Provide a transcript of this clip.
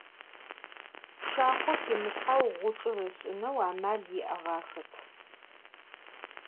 Pşşaxho ximılhheu ğuçç'ır ış'ıneu amal yi'eğaxep.